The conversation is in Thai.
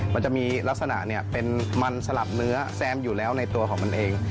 มันจะมีลักษณะเป็นมันสลับเนื้อแซมอยู่แล้วในตัวของมันเอง